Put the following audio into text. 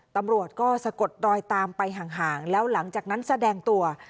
ตำรวจก็สะกดรอยตามไปห่างแล้วหลังจากนั้นแสดงตัว